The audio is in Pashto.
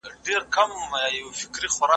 په زړه سوي به یې نېکمرغه مظلومان سي